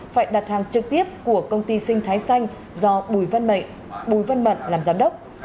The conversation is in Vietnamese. phải đặt hàng trực tiếp của công ty sinh thái xanh do bùi văn mận làm giám đốc